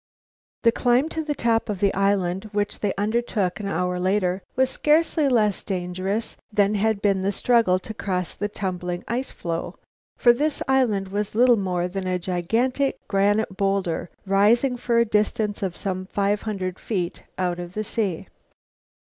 The climb to the top of the island, which they undertook an hour later, was scarcely less dangerous than had been the struggle to cross the tumbling ice floe, for this island was little more than a gigantic granite bowlder rising for a distance of some five hundred feet out of the sea.